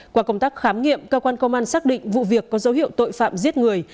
qua công tác khám nghiệm cơ quan công an xác định vụ việc có dấu hiệu tội phạm giết người